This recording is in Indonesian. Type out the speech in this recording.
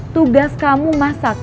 tugas kamu masak